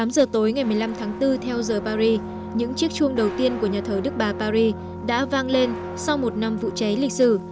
tám giờ tối ngày một mươi năm tháng bốn theo giờ paris những chiếc chuông đầu tiên của nhà thờ đức bà paris đã vang lên sau một năm vụ cháy lịch sử